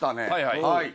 はいはい。